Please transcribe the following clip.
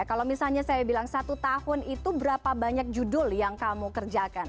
kalau misalnya saya bilang satu tahun itu berapa banyak judul yang kamu kerjakan